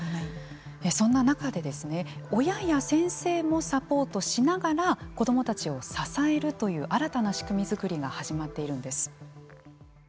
そんな中で親や先生もサポートしながら子どもたちを支えるという新たな仕組み作りが始まっているんです。